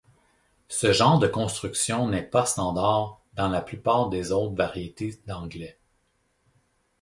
Ce genre de construction n’est pas standard dans la plupart des autres variétés d’anglais.